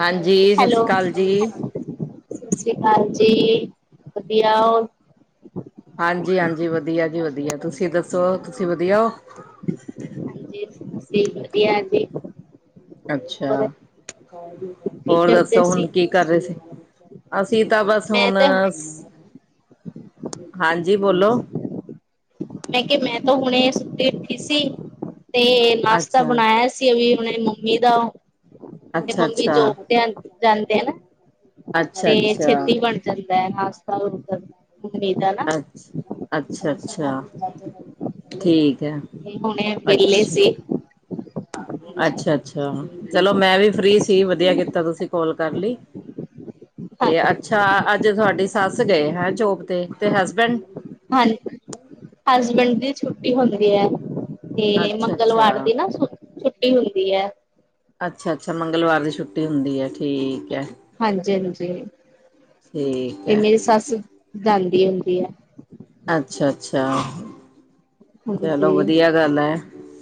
ਹਾਂਜੀ ਸਤਿ ਹੈਲੋ, ਸ੍ਰੀ ਅਕਾਲ ਜੀ। ਸਤਿ ਸ਼੍ਰੀ ਅਕਾਲ ਜੀ ਵਧੀਆ ਹੋ। ਹਾਂਜੀ ਹਾਂਜੀ ਵਧੀਆ ਜੀ ਵਧੀਆ ਤੁਸੀਂ ਦੱਸੋ ਤੁਸੀਂ ਵਧੀਆ ਹੋ। ਸੀ ਸੀ ਵਧੀਆ ਜੀ। ਹੋਰ ਅੱਛਾ ਕੀ ਹੋਰ ਕਰਦੇ ਦੱਸੋ ਸੀ? ਹੁਣ ਕੀ ਕਰ ਰਹੇ ਸੀ। ਅਸੀਂ ਤਾਂ ਬਸ ਮੈਂ ਹੁਣ ਤਾਂ ਹਾਂਜੀ ਬੋਲੋ। ਮੈਂ ਕਿਹਾ ਮੈਂ ਤਾਂ ਹੁਣੇ ਸੁੱਤੀ ਉੱਠੀ ਸੀ ਤੇ ਨਾਸ਼ਤਾ ਅੱਛਾ ਬਣਾਇਆ‌ ਸੀ। ਅਸੀ ਵੀ ਉਹ ਦੀ ਮੰਮੀ ਦਾ ਤੇ ਅੱਛਾ ਮੰਮੀ ਅੱਛਾ ਜੋਬ ਤੇ ਜਾਂਦੇ ਨਾ। ਅੱਛਾ। ਤੇ ਅੱਛਾ ਛੇਤੀ ਬਣ ਜਾਂਦਾ ਹੈ ਨਾਸਤਾ ਗੁਰ। [unintelligible] ਅੱਛ ਅੱਛਾ ਅੱਛਾ। ਹਾਂਜੀ ਠੀਕ ਹੈ, ਹੁਣੇ ਵਿਹਲੇ ਅੱਛ ਸੀ ਹਾਂਜੀ ਅੱਛਾ ਅੱਛਾ। ਅ ਚਲੋ ਮੈਂ ਵੀ ਫ੍ਰਰੀ ਸੀ ਵਧੀਆ ਕੀਤਾ ਤੁਸੀਂ ਕਾਲ ਕਰ ਲਈ। ਤੇ ਅੱਛਾ ਹਾਂਜੀ ਅੱਜ ਤੁਹਾਡੀ ਸੱਸ ਗਏ ਹੈਂ ਜੋਬ ਤੇ ਤੇ ਹਸਬੈਂਡ। ਹਾਂ ਹਸਬੈਂਡ ਦੀ ਛੁੱਟੀ ਹੁੰਦੀ ਹੈ। ਤੇ ਅੱਛਾ ਮੰਗਲਵਾਰ ਅੱਛਾ ਦੀ ਨਾ ਛੁ ਛੁੱਟੀ ਹੁੰਦੀ ਹੈ। ਅੱਛਾ ਅੱਛਾ ਮੰਗਲਵਾਰ ਦੀ ਛੁੱਟੀ। ਛੁੱਟੀ ਹੁੰਦੀ ਹੈ ਠੀਕ ਹੈ ਹਾਂਜੀ ਹਾਂਜੀ ਠੀਕ ਤੇ ਹੈ। ਮੇਰੀ ਸੱਸ। ਜਾਂਦੀ ਹੁੰਦੀ ਐ। ਅੱਛਾ ਅੱਛਾ ਚਲੋ ਹਾਂਜੀ ਵਧੀਆ ਗੱਲ ਹੈ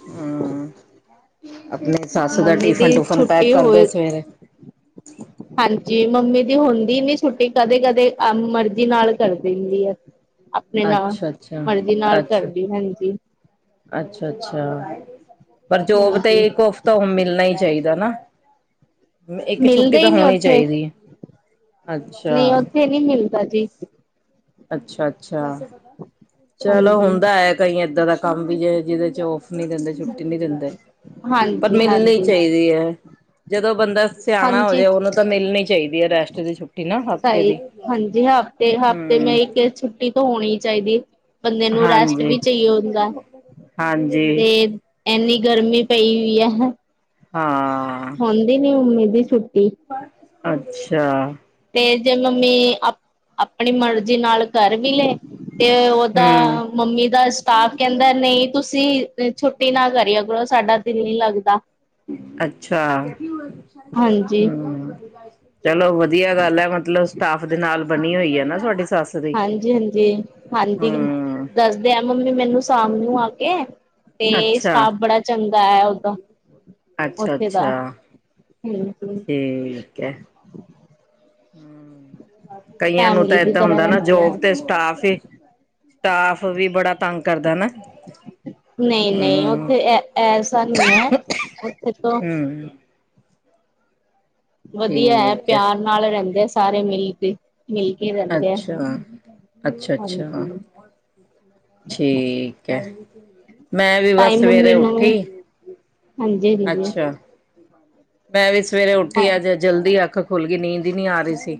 ਹੂੰ। ਆਪਣੇ ਸੱਸ ਦਾ ਮੰਮੀ ਟਿਫਨ ਦੀ ਟੂਫਨ ਪੈਕ ਛੁੱਟੀ ਕਰਦੇ ਹੋਏ ਸਵੇਰੇ। ਹਾਂਜੀ, ਮੰਮੀ ਦੀ ਹੁੰਦੀ ਨੀ ਛੁੱਟੀ ਕਦੇ-ਕਦੇ ਅਮ ਮਰਜ਼ੀ ਨਾਲ ਕਰਦੀ ਹੁੰਦੀ ਆ। ਅੱਛਾ-ਅੱਛਾ, ਅੱਛਾ, ਕਰਦੀ ਹਾਂਜੀ ਅੱਛਾ-ਅੱਛਾ। ਪਰ ਜੋਬ 'ਤੇ ਹਾਂਜੀ ਇੱਕੋ ਹਫ਼ਤਾ ਓਹ ਮਿਲਣਾ ਈ ਚਾਈਦਾ ਨਾ। ਇੱਕ ਛੁੱਟੀ ਮਿਲਦਾ ਤਾਂ ਈ ਨੀ ਹੋਣੀ ਉਥੇ, ਚਾਹੀਦੀ ਹੈ। ਅੱਛਾ, ਨਈ ਓਥੇ ਨੀ ਮਿਲਦਾ ਜੀ। ਅੱਛਾ-ਅੱਛਾ, ਚਲੋ ਹਾਂਜੀ ਹੁੰਦਾ ਐ ਕਈ ਏਦਾਂ ਦਾ ਕੰਮ ਵੀ ਐ ਜਿਹਦੇ 'ਚ ਔਫ ਨੀ ਦਿੰਦੇ ਛੁੱਟੀ ਨੀ ਦਿੰਦੇ, ਪਰ ਹਾਂਜੀ ਮਿਲਣੀ ਹਾਂਜੀ ਚਾਈਦੀ ਐ ਜਦੋਂ ਬੰਦਾ ਸਿਆਣਾ ਹੋਜੇ ਹਾਂਜੀ ਉਹਨੂੰ ਤਾਂ ਮਿਲਣੀ ਚਾਈਦੀ ਐ ਰੈਸਟ ਦੀ ਛੁੱਟ ਸਈ ਹਾਂਜੀ, ਹਫ਼ਤੇ-ਹਫਤੇ ਮੇ ਹਮ ਇੱਕੇ ਛੁੱਟੀ ਤੋਂ ਹੋਣੀ ਚਾਈਦੀ। ਬੰਦੇ ਨੂੰ ਰੈਸਟ ਹਾਂਜੀ ਵੀ ਚਈਏ ਹੁੰਦਾ, ਤੇ ਹਾਂਜੀ ਐਨੀ ਗਰਮੀ ਪਈ ਹੋਈ ਐ। ਹਾਂ। ਹੁੰਦੀ ਨੀ ਮੰਮੀ ਦੀ ਛੁੱਟੀ। ਅੱਛਾ! 'ਤੇ ਜੇ ਮੰਮੀ ਆਪ ਆਪਣੀ ਮਰਜ਼ੀ ਨਾਲ ਕਰ ਵੀ ਲਏ 'ਤੇ ਓ ਦਾ ਹਮ ਮੰਮੀ ਦਾ ਸਟਾਫ ਕੈਂਦਾ ਨਈ ਤੁਸੀਂ ਛੁੱਟੀ ਨਾ ਕਰਿਆ ਕਰੋ ਸਾਡਾ ਦਿਲ ਨੀ ਲੱਗਦਾ। ਅੱਛਾ ਹਾਂਜੀ ਹੂੰ। ਚਲੋ ਵਧੀਆ ਗੱਲ ਐ ਮਤਲਬ ਸਟਾਫ ਦੇ ਨਾਲ ਬਣੀ ਹੋਈ ਐ ਨਾ ਤੁਹਾਡੀ ਸੱਸ ਦੀ, ਹਾਂਜੀ ਹਾਂਜੀ ਹਾਂਜੀ ਹੂੰ। ਦੱਸਦੇ ਐ ਮੰਮੀ ਮੈਨੂੰ ਸ਼ਾਮ ਨੂੰ ਆ ਕੇ 'ਤੇ ਅੱਛਾ ਸਟਾਫ ਬੜਾ ਚੰਗਾ ਐ ਓਦਾਂ। ਅੱਛਾ-ਅੱਛਾ, ਹਾਂਜੀ ਠੀਕ ਐ। ਕਈਆਂ ਨੂੰ ਤਾਂ ਫੈਮਲੀ ਦੀ ਏਦਾਂ ਤਰ੍ਹਾਂ ਹੁੰਦਾ ਨਾ ਰਹਿੰਦੇ ਆ ਜੋਬ 'ਤੇ ਸਟਾਫ ਏ ਸਟਾਫ ਵੀ ਬੜਾ ਤੰਗ ਕਰਦਾ ਨਾ। ਨਈ-ਨਈ, ਹਮ ਉੱਥੇ ਐ ਐਸਾ ਨੀ ਐ ਉੱਥੇ ਤੋਂ ਹਮ ਵਧੀਆ ਐ ਠੀਕ ਹੈ ਪਿਆਰ ਨਾਲ ਰਹਿੰਦੇ ਆ ਸਾਰੇ ਮਿਲ ਕੇ। ਮਿਲ ਕੇ ਰਹਿੰਦੇ ਐ, ਅੱਛਾ ਅੱਛਾ ਅੱਛਾ ਹਾਂਜੀ। ਠੀਕ ਐ ਮੈਂ ਵੀ ਬਸ ਸਵੇਰੇ ਉੱਠੀ ਹਾਂਜੀ-ਹਾਂਜੀ। ਅੱਛਾ ਮੈਂ ਵੀ ਸਵੇਰੇ ਹਾਂ ਉੱਠੀ ਅੱਜ ਜਲਦੀ ਅੱਖ ਖੁੱਲ ਗੀ ਨੀਂਦ ਈ ਨੀ ਆ ਰੀ ਸੀ।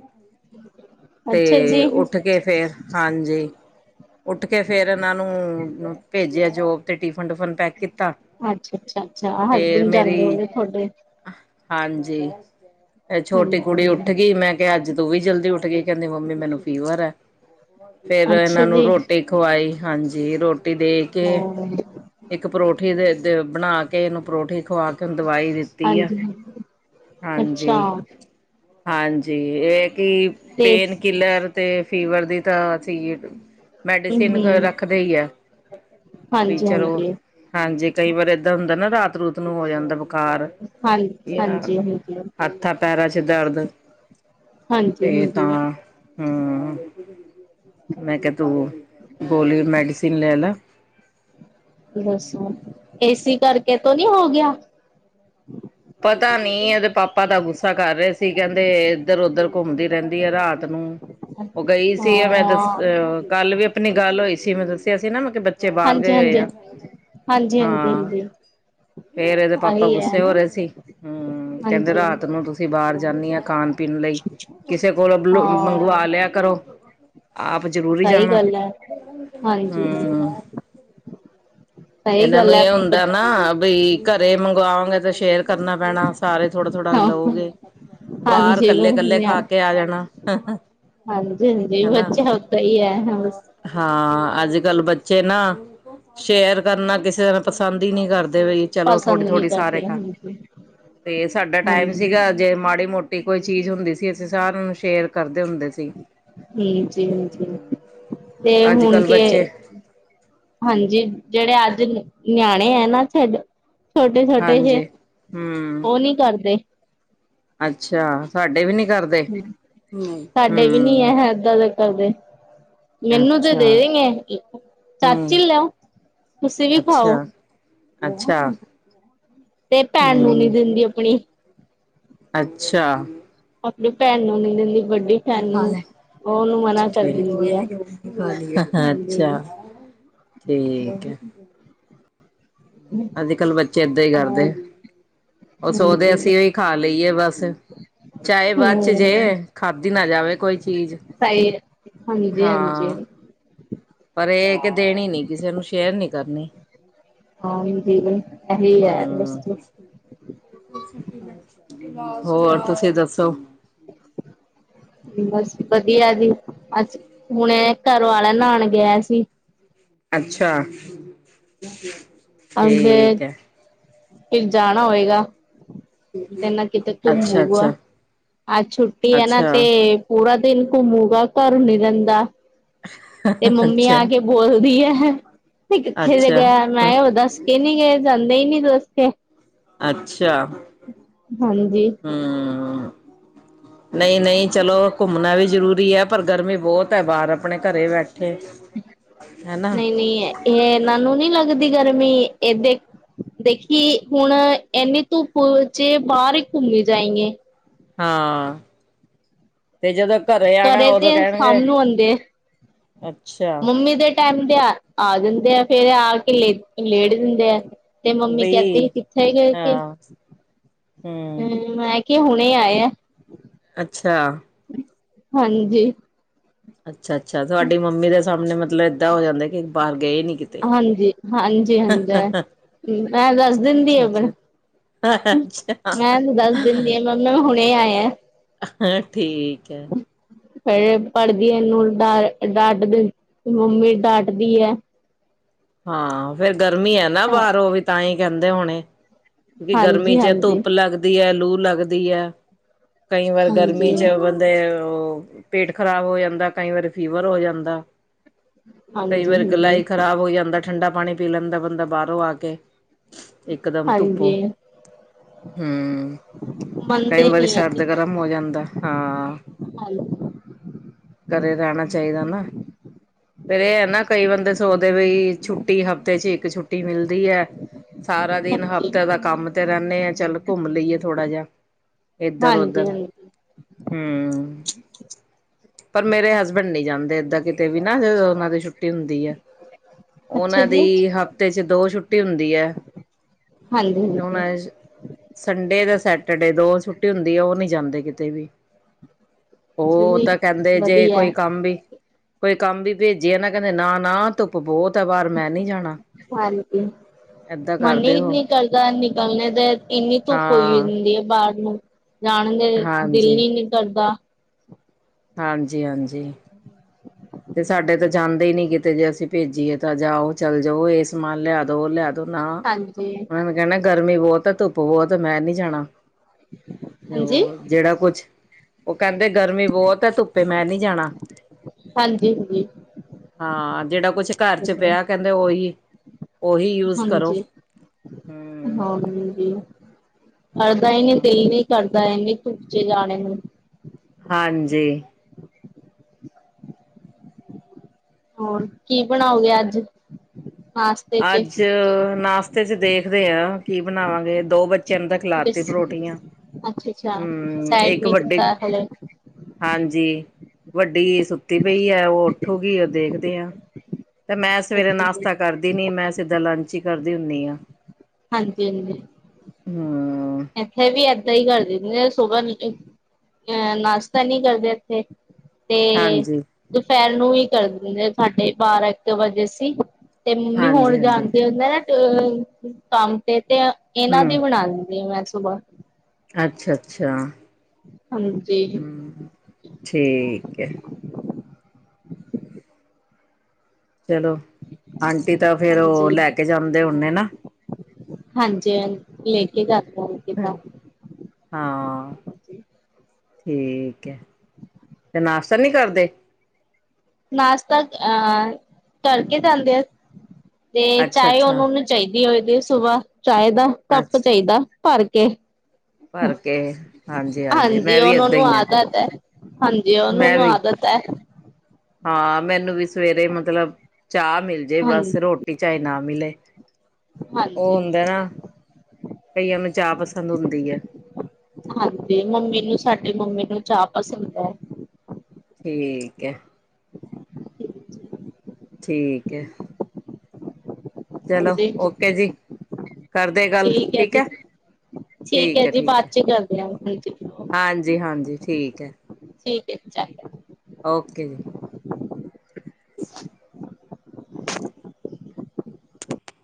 'ਤੇ ਅੱਛਾ ਜੀ ਉੱਠ ਕੇ ਫੇਰ ਹਾਂਜੀ। ਉੱਠ ਕੇ ਫੇਰ ਇਹਨਾਂ ਨੂੰ ਭੇਜਿਆ ਜੋਬ 'ਤੇ ਟਿਫਨ ਟੁਫਨ ਪੈੱਕ ਕੀਤ ਅੱਛਾ-ਅੱਛਾ, ਅੱਛਾ ਹਸਬੈਂਡ ਮੇਰੀ ਜਾਂਦੇ ਹੋਣੇ ਥੋਡੇ। ਹਾਂਜੀ, ਛੋਟੀ ਕੁੜੀ ਹਾਂਜੀ ਉੱਠ ਗੀ ਮੈਂ ਕੇ ਅੱਜ ਤੂੰ ਵੀ ਜਲਦੀ ਉੱਠ ਗੀ ਕਹਿੰਦੀ ਮੰਮੀ ਮੈਨੂੰ ਫੀਵਰ ਐ, ਫੇਰ ਅੱਛਾ ਇਹਨਾਂ ਨੂੰ ਜੀ ਰੋਟੀ ਖਵਾਈ ਹਾਂਜੀ ਰੋਟੀ ਦੇ ਕੇ ਹੋਰ ਇੱਕ ਪਰੌਠੀ ਦੇ ਦੇ ਬਣਾ ਕੇ ਇਹਨੂੰ ਪਰੌਠੀ ਖਵਾ ਕੇ ਹੁਣ ਦਵਾਈ ਦਿੱ ਤੀ ਆ, ਹਾਂਜੀ ਅੱਛਾ ਹਾਂਜੀ। ਹਾਂਜੀ, ਏ ਕਿ ਤੇ ਪੇਨ ਕਿੱਲਰ 'ਤੇ ਫੀਵਰ ਦੀ ਤਾਂ ਚਾਈਏ ਦੀ ਹਮ ਮੈਡੀਸੀਨ ਰੱਖਦੇ ਈ ਐ, ਵੀ ਹਾਂਜੀ ਚਲੋ ਹਾਂਜੀ ਹਾਂਜੀ, ਕਈ ਵਾਰ ਏਦਾਂ ਹੁੰਦਾ ਨਾ ਰਾਤ ਰੂਤ ਨੂੰ ਹੋ ਜਾਂਦਾ ਬੁਖਾਰ। ਹਾਂ ਜਾ ਹਾਂਜੀ ਹਾਂਜੀ ਹੱਥਾਂ ਪੈਰਾਂ 'ਚ ਦਰਦ। ਹਾਂਜੀ-ਹਾਂਜੀ। ਹੂੰ, ਮੈਂ ਕਿਹਾ ਤੂੰ ਗੋਲੀ ਮੈਡੀਸੀਨ ਲੈ ਲਾ। ਦੱਸੋ ਏ ਸੀ ਕਰਕੇ ਤੋਂ ਨੀ ਹੋ ਗਿਆ? ਪਤਾ ਨੀ ਇਹਦੇ ਪਾਪਾ ਤਾਂ ਗੁੱਸਾ ਕਰ ਰਹੇ ਸੀ ਕੈਂਦੇ ਏਧਰ ਉੱਧਰ ਘੁੰਮਦੀ ਰੈਂਦੀ ਐ ਰਾਤ ਨੂੰ ਹਾਂ ਉਹ ਗਈ ਸੀ ਆ ਮੈਂ ਦੱਸ ਕੱਲ ਵੀ ਆਪਣੀ ਗੱਲ ਹੋਈ ਸੀ ਮੈਂ ਦੱਸਿਆ ਸੀ ਨਾ ਮੈਂ ਕਿਆ ਬੱ ਚੇ ਬਾਰ ਹਾਂਜੀ ਗਏ ਹੋਏ ਹਾਂਜੀ ਆ, ਹਾਂਜੀ ਹਾਂਜੀ ਹਾਂ। ਹਾਂਜੀ ਫੇਰ ਇਹਦੇ ਪਾਪਾ ਆਹੀ ਹੈ ਗੁੱਸੇ ਹੋ ਰਹੇ ਸੀ ਹਮ ਕੈਂਦੇ ਹਾਂਜੀ ਰਾਤ ਨੂੰ ਤੁਸੀਂ ਬਾਰ ਜਾਂਣੀ ਹ ਖਾਣ ਪੀਣ ਲਈ ਕਿਸੇ ਕੋਲੋਂ ਹਾਂ ਮੰਗਵਾ ਲਿਆ ਕਰੋ ਆਪ ਜਰੂਰੀ ਹੀ ਸਹੀ ਜਾਣਾ ਗੱਲ ਹੈ ਹਾਂਜੀ ਹਮ ਸਹੀ ਇਹਨਾਂ ਨੂੰ ਗੱਲ ਹੈ ਇਹ ਹੁੰਦਾ ਨਾ ਬ ਘਰੇ ਮੰਗਵਾਵਾਂਗੇ ਤੇ ਸ਼ੇਰ ਕਰਨਾ ਪੈਣਾ ਸਾਰੇ ਥੋੜਾ ਥੋੜਾ ਹਾਂ ਲਓਗੇ ਬਾਰ ਹਾਂਜੀ ਬ ਕੱਲੇ ਕੱਲੇ ਖਾ ਕੇ ਆ ਜਾਣਾ ਹਾਂਜੀ ਹਾਂਜੀ ਹਨਾ ਬੱਚਾ ਉਦ ਹੀ ਹੈ ਬਸ ਹਾਂ ਅੱਜ ਕੱਲ ਬੱਚੇ ਨਾ ਸ਼ੇਰ ਕਰਨਾ ਕਿਸੇ ਨਾਲ ਪਸੰਦ ਹੀ ਨਹੀਂ ਕਰਦੇ ਬਈ ਚਲੋ ਪਸੰਦ ਥੋੜੀ ਨਹੀਂ ਥੋੜ੍ਹੀ ਸਾਰੇ ਕਰਦੇ ਖਾ ਹਾਂਜੀ ਤੇ ਸਾਡਾ ਟੈਮ ਹਾਂਜੀ ਸੀਗਾ ਜੇ ਮਾੜੀ ਮੋਟੀ ਕੋਈ ਚੀਜ਼ ਹੁੰਦੀ ਸੀ ਅਸੀਂ ਸਾਰਿਆਂ ਨੂੰ ਸ਼ੇਅਰ ਕਰਦੇ ਹੁੰਦੇ ਸੀ ਹਮ ਜੀ ਹ ਜੀ ਤੇ ਅੱਜ ਹੁਣ ਕੱਲ੍ਹ ਕੇ ਬੱਚੇ ਹਾਂਜੀ ਜੇੜੇ ਅੱਜ ਨਿਆਣੇ ਹੈ ਨਾ ਡ ਛੋਟੇ ਛੋਟੇ ਜ ਹਾਂਜੀ ਹਮ ਉਹ ਨਹੀਂ ਕਰਦੇ ਅੱਛਾ ਸਾਡੇ ਵੀ ਨੀ ਕਰਦੇ ਹ ਨਹੀਂ ਸਾਡੇ ਵੀ ਨੀ ਹਮ ਹੈ ਏਦਾਂ ਦੇ ਕਰਦੇ ਮੈਨੂੰ ਤੇ ਦੇ ਅੱਛਾ ਦ ਚਾਚੀ ਹੂੰ, ਹੀ ਲੈਓ ਤੁਸੀਂ ਵੀ ਅੱਛਾ, ਖਾਓ ਅੱਛਾ ਤੇ ਭੈਣ ਨੂੰ ਨੀ ਹੂੰ, ਦਿੰਦੀ ਆਪਣੀ ਅੱਛਾ ਆਪਣੀ ਭੈਣ ਨੂੰ ਨੀ ਦਿੰਦੀ ਵੱਡੀ ਰੋਟੀ ਭੈਣ ਖਾ ਨੂੰ ਲੈ ਉਹਨੂੰ ਮਨਾ ਕਰ ਦਿੰਦੀ ਹੈ ਅੱਛਾ ਹਾਂਜੀ ਠੀਕ ਹੈ ਅੱਜ ਕੱਲ੍ਹ ਬੱਚੇ ਏਦਾਂ ਹੀ ਹਾਂ ਕਰਦੇ ਉਹ ਸੋਦੇ ਹਾਂਜੀ ਅਸੀਂ ਉਹੀ ਖਾ ਲਈਏ ਬਸ ਚਾਏ ਬਚ ਚ ਹਮ ਜੇ ਖਾਧੀ ਨਾ ਜਾਵੇ ਕੋਈ ਚੀਜ਼ ਸਾਈਰ ਹਾਂ ਪਰ ਇਹ ਕਿ ਦੇਣੀ ਨੀ ਕਿਸੇ ਨੂੰ ਸ਼ੇਅਰ ਨੀ ਕਰਨੀ ਹਾਂ ਇ ਹੈ ਵਸ ਹੂੰ। ਹੋਰ ਤੁਸੀਂ ਦੱਸੋ ਬਸ ਵਧੀਆ ਜੀ ਅੱਜ ਹੁਣੇ ਘਰਵਾਲਾ ਨਾਨ ਗਿਆ ਸੀ ਅੱਛਾ ਅੱਛਾ ਅਬ ਫਿਰ ਜਾਣਾ ਹੋਏਗਾ ਤੇ ਨਾ ਕਿਤੇ ਘੁੰਮੂਗਾ ਅੱਛਾ-ਅੱਛਾ, ਆਜ ਛੁੱਟੀ ਹੈ ਨਾ ਤੇ ਅੱਛਾ, ਪੂਰਾ ਦਿਨ ਘੁੰਮੂਗਾ ਘਰ ਨੀ ਰੈਂਦਾ ਤੇ ਮੰਮੀ ਆ ਅੱਛਾ, ਕੇ ਬੋਲਦੀ ਹੈ ਤੇ ਕਿੱਥੇ ਜ ਗਿਆ ਨਾ ਅੱਛਾ। ਉਹ ਦਾੱਸ ਕਿ ਨਹੀਂ ਗ ਜਾਂਦੇ ਹੀ ਨੀ ਦਸਕੇ ਅੱਛਾ। ਹਾਂਜੀ। ਹਾਂ ਨਈਂ-ਨਈਂ ਚਲੋ ਘੁੰਮਨਾ ਵੀ ਜ਼ਰੂਰੀ ਐ। ਪਰ ਗਰਮੀ ਬੋਤ ਐ ਬਾਰ ਆਪਨੇ ਘਰੇ ਬੈਠੇ ਹਨਾ ਨਈ-ਨਈ ਏਨਾਂ ਨੂੰ ਨੀ ਲੱਗਦੀ ਗਰਮੀ ਏਦੇ ਦੇਖੀ ਹੁਨ ਐਨੀ ਧੁਪ ਚ ਏ ਬਾਰ ਘੁੰਮੀ ਜਾਈ ਐਂ। ਹਾਂ, ਤੇ ਜਦੋਂ ਆਣਾ ਘਰੇ ਤੇ ਉਦੋਂ ਸਾਮ ਕਹਿਣਗੇ ਨੂੰ ਆਂਦੇ ਐ, ਅੱਛਾ ਮੰਮੀ ਦੇ ਟੈਮ ਦੇ ਆ ਆ ਜਾਂਦੇ ਆ ਫੇਰ ਆ ਕੇ ਲੇ ਲੇਟ ਦਿੰਦੇ ਆ। ਤੇ ਮੰਮੀ ਕੈਂਦੀ ਬਈ ਕਿਥੇ ਗਏ ਸੀ ਹਾਂ ਹੂੰ ਤੇ ਮੈਂ ਕੇ ਹੁਨੇ ਆਏ ਐ। ਅੱਛਾ। ਹਾਂਜੀ। ਅੱਛਾ-ਅੱਛਾ ਤੁਆਡੀ ਮੰਮੀ ਦੇ ਸਾਮਣੇ ਮਤਲਬ ਏਦਾਂ ਹੋ ਜਾਂਦਾ ਕਿ ਬਾਹਰ ਗਏ ਨੀ ਕਿਤੇ ਹਾਂਜੀ-ਹਾਂਜੀ ਹੁੰਦੈ, ਤੇ ਏਹ ਦਸ ਦਿੰਦੀ ਅੱਛਾ ਐ ਪਰ ਅੱਛਾ ਅੱਛਾ ਮੈ ਤੇ ਦਸ ਦੀਂਦੀ ਆ ਏਨ ਨੂੰ ਮੈਮ ਹੁਨੇ ਆਏ ਐ। ਹੈਂ ਠੀਕ ਐ। ਫੇਰ ਪੜ੍ਹਦੀ ਆਂ ਏਨੂੰ ਡਾ ਡਾਟਦੀ, ਮੰਮੀ ਡਾਟਦੀ ਐ। ਹਾਂ, ਫੇਰ ਗਰਮੀ ਐ ਨਾ ਬਾਰ ਓ ਵੀ ਤਾਂਈ ਕੈਂਦੇ ਹੋਨੇ, ਵੀ ਗਰਮੀ ਹਾਂਜੀ, ਹਾਂਜੀ, ਚ ਹਾਂਜੀ, ਧੁੱਪ ਲੱਗਦੀ ਐ ਲੂ ਲੱਗਦੀ ਐ, ਕਈ ਵਾਰ ਗਰਮੀ ਚ ਵ ਦੇ ਓ ਪੇਟ ਖ਼ਰਾਬ ਹੋ ਜਾਂਦੈ ਕਈ ਵਾਰ ਫੀਵਰ ਹੋ ਜਾਂਦੈ। ਕਈ ਹਾਂਜੀ, ਵਾਰ ਗਲਾ ਈ ਹਾਂਜੀ। ਖ਼ਰਾਬ ਹੋ ਜਾਂਦੈ ਠੰਡਾ ਪਾਨੀ ਪੀ ਲੈਂਦਾ ਬੰਦਾ ਬਾਰੋਂ ਆ ਕੇ। ਇਕਦਮ ਧੁੱਪੋਂ, ਹਾਂਜੀ ਹੂੰ, ਕਈ ਮੰਨਦੇ ਵਾਰੀ ਨੀ ਸਰਦ ਹੈਗੇ ਗਰ ਗਰਮ ਹੋ ਜਾਂਦੈ, ਹਾਂ। ਹਾਂਜੀ, ਘਰੇ ਰੈਨਾ ਚਾਈਦਾ ਨਾ। ਫੇਰ ਏ ਐ ਨਾ ਕਈ ਬੰਦੇ ਸੋਚਦੇ ਵਈ ਛੁੱਟੀ ਹਫ਼ਤੇ ਚ ਇੱਕ ਛੁੱਟੀ ਮਿਲਦੀ ਐ। ਸਾਰਾ ਦਿਨ ਹਾਂਜੀ। ਹਫ਼ਤੇ ਦਾ ਕੰਮ ਤੇ ਰੈਨੇ ਆ ਚੱਲ ਘੁੰਮ ਲਈਏ ਥੋੜਾ ਜਾ। ਏਦਰ ਹਾਂਜੀ ਓਦਰ ਹਾਂਜੀ ਹੂੰ ਪਰ ਮੇਰੇ ਹਸਬੈਂਡ ਨੀ ਜਾਂਦੇ ਏਦਾਂ ਕਿਤੇ ਵੀ ਨਾ ਜਦੋਂ ਓਨਾਂ ਦੀ ਛੁੱਟੀ ਹੁੰਦੀ ਐ। ਅੱਛਾ ਓਨਾਂ ਜੀ ਦੀ ਹਫ਼ਤੇ ਚ ਦੋ ਛੁੱਟੀ ਹੁੰਦੀ ਐ। ਹਾਂਜੀ-ਹਾਂਜੀ। ਸੰਡੇ ਤੇ ਸੈਟਡੇ ਦੋ ਛੁੱਟੀ ਹੁੰਦੀ ਐ ਔ ਨੀ ਜਾਂਦੇ ਕਿਤੇ ਵੀ। ਅੱਛਾ ਓ ਜੀ ਤਾਂ ਕੈਂਦੇ ਜੇ ਵਧੀਆ ਕੋਈ ਕੰਮ ਵੀ ਕੋਈ ਕੰਮ ਵੀ ਭੇਜੇ ਆ ਨਾ ਕੈਂਦੇ ਨਾ-ਨਾ ਧੁੱਪ ਬੋਤ ਐ ਬਾਰ ਮੈਂ ਨੀ ਜਾਨਾ। [unintelligible] ਮੰਨ ਲੀ ਹੋ ਆਪਨੀ ਗੱਲ ਯਾਰ ਨਿਕਲਨੇ ਦੇ ਕਿੰਨੀ ਧੁੱਪ ਹੋਈ ਹਾਂ ਹੁੰਦੀ ਐ ਬਾਰ ਨੂੰ। ਜਾਨ ਦੇ ਦਿਲ ਹਾਂਜੀ ਈ ਨੀ ਕਰਦਾ। ਹਾਂਜੀ-ਹਾਂਜੀ। ਹੂੰ ਤੇ ਸਾਡੇ ਤੇ ਜਾਂਦੇ ਈ ਨੀ ਕਿਤੇ ਜੇ ਅਸੀਂ ਭੇਜੀਏ ਤਾਂ ਜਾਓ ਚੱਲ ਜਾਓ ਏ ਸਮਾਨ ਲਿਆ ਦੋ ਓ ਲਿਆ ਨਾ, ਹਾਂਜੀ ਹਾਂਜੀ ਓਨਾਂ ਨੇ ਕੈਨਾ ਗਰਮੀ ਬੋਤ ਐ ਧੁੱਪ ਬੋਤ ਐ ਮੈਂ ਨੀ ਜਾਨਾ। ਹਾਂਜੀ ਹੋਰ ਜੇੜਾ ਕੁਛ ਓ ਕੈਂਦੇ ਗਰਮੀ ਬੋਤ ਐ ਧੁੱਪੇ ਮੈਂ ਨੀ ਜਾਨਾ। ਹਾਂਜੀ ਹੁਨੀ ਹਾਂ, ਜੇੜਾ ਕੁਛ ਘਰ ਚ ਪੇਆ ਕੈਂਦੇ ਓਹੀ ਹਾਂਜੀ [unintelligible] ਹਮ ਕਰਦਾ ਨਹੀਂ ਦਿਲ ਹਾਂ ਨਹੀਂ ਤੁਹਾਨੂੰ ਇੰਨੀ ਧੁੱਪ ਚ ਜਾਣੇ ਨੇ। ਹਾਂਜੀ। ਹੋਰ, ਕੀ ਬਣਾਓਗੇ ਅੱਜ ਪਾਸ ਅੱਜ, ਨਾਸਤੇ ਚ ਦੇਖਦੇ ਆ। ਕੀ ਬਣਾਵਾਂਗੇ, ਦੋ ਬੱਚਿਆਂ ਨੂੰ ਖਿਲਾ ਤੀ ਪਰੋਠੀਆਂ। ਅੱਛਾ-ਅੱਛਾ, ਹਮ ਡਿਸਾਈਡ ਇੱਕ ਨੀ ਵੱਡੇ ਕੀਤਾ ਹਲੇ। ਹਾਂਜੀ, ਵੱਡੀ ਸੁੱਤੀ ਪਈ ਹੈ। ਉਹ ਉੱਠੂਗੀ ਦੇਖਦੇ ਆ। ਤੇ ਮੈਂ ਸਵੇਰੇ ਅੱਛਾ ਜੀ ਨਾਸਤਾ ਕਰਦੀ ਨਹੀਂ ਮੈਂ ਸਿੱਧਾ ਲੰਚ ਹੀ ਕਰਦੀ ਹੁੰਨੀ ਆ। ਹਾਂਜੀ ਹਾਂਜੀ ਇੱਥੇ ਵੀ ਇਦਾਂ ਕਰ ਦਿੰਦੇ ਆ ਸੂਬਾ ਨਹੀਂ ਤੇ ਐਹ, ਨਾਸ਼ਤਾ ਨੀ ਕਰਦੇ ਇੱਥੇ। ਤੇ, ਹਾਂਜੀ, ਦੁਪਹਿਰ ਨੂੰ ਹੀ ਕਰ ਦਿੰਦੇ ਸਾਡੇ ਬਾਰਾਂ ਇੱਕ ਵਜੇ ਸੀ। ਤੇ ਮੰਮੀ ਹੁਣ ਹਾਂਜੀ-ਹਾਂਜੀ, ਜਾਣ ਤੇ [unintelligible] ਕੰਮ ਤੇ ਤੇ ਹੈ ਇਹਨਾਂ ਹੂੰ, ਦੀ ਬਣਾ ਦਿੰਦੀ ਮੈਂ ਸੁਬਾਹ। ਅੱਛਾ-ਅੱਛਾ ਹਾਂਜੀ ਹੂੰ, ਠੀਕ ਹੈ। ਚਲੋ, ਆਂਟੀ ਤਾਂ ਫਿਰ ਉਹ ਹਾਂਜੀ ਲੈ ਕੇ ਜਾਂਦੇ ਉਨੇ ਨਾ ਹਾਂਜੀ, ਲੈ ਕੇ ਜਾਂਦੇ- ਕਿਤਾਬ ਹਾਂ। ਠੀਕ ਹੈ, ਤੇ ਨਾਸ਼ਤਾ ਨਹੀਂ ਕਰਦੇ? ਨਾਸ਼ਤਾ ਅਹ ਕਰਕੇ ਜਾਂਦੇ ਆ ਤੇ ਚਾਏ ਅੱਛਾ-ਅੱਛਾ, [unintelligible] ਚਾਹੀਦੀ ਹੋਏ ਦੀ ਸੁਬਾਹ, ਚਾਹੇ ਦਾ ਕੱਪ ਅੱਛ ਚਾਹੀਦਾ ਭਰ ਕੇ। ਭਰ ਹੂੰ, ਕੇ, ਹਾਂਜੀ-ਹਾਂਜੀ, ਮੈਂ ਹਾਂਜੀ ਵੀ ਏਦਾਂ ਉਹਨੂੰ ਈ ਆ, ਆਦਤ ਹੈ। ਹਾਂਜੀ ਉਹਨਾਂ ਮੈਂ ਨੂੰ ਵੀ ਆਦਤ ਹੈ। ਹਾਂ, ਮੈਨੂੰ ਵੀ ਸੁਵੇਰੇ ਮਤਲਬ, ਚਾਹ ਮਿਲ ਜੇ ਹਾਂਜੀ ਬਸ ਰੋਟੀ ਚਾਏ ਨਾ ਮਿਲੇ। ਉਹ ਹਾਂਜੀ ਹੁੰਦਾ ਨਾ, ਕਇਆਂ ਨੂੰ ਚਾਹ ਪਸੰਦ ਹੁੰਦੀ ਹੈ। ਹਾਂਜੀ ਮੰਮੀ ਨੂੰ ਸਾਡੀ ਮੰਮੀ ਨੂੰ ਚਾਹ ਪਸੰਦ ਹੈ। ਠੀਕ ਹੈ। ਇਹਦੇ ਚ ਠੀਕ ਹੈ। ਚਲੋ, ਹਾਂਜੀ ਓਕੇ ਜੀ, ਕਰਦੇ ਗੱਲ ਠੀਕ ਹੈ। ਠੀਕ ਹੈ ਜੀ ਬਾਅਦ ਚ ਕਰਦੇ ਹਾਂਜੀ ਹਾਂਜੀ-ਹਾਂਜੀ ਠੀਕ ਹੈ। ਠੀਕ ਹੈ, ਇਚ ਆ ਗਿਆ। ਓਕੇ ਜੀ। [inaudible]